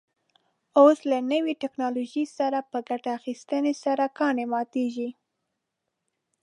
اوس له نوې تکنالوژۍ څخه په ګټې اخیستنې سره کاڼي ماتېږي.